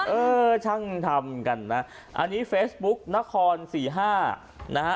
เออช่างทำกันนะอันนี้เฟซบุ๊กนคร๔๕นะฮะ